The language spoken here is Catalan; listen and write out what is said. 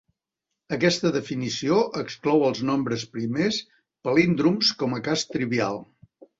Aquesta definició exclou els nombres primers palíndroms com a cas trivial.